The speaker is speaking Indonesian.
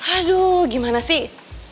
aduh gimana sih